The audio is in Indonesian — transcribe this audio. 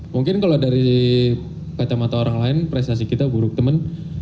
mungkin kalau dari kacamata orang lain prestasi kita buruk teman